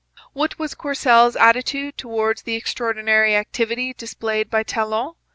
What was Courcelle's attitude towards the extraordinary activity displayed by Talon?